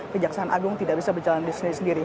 kejaksaan agung tidak bisa berjalan sendiri sendiri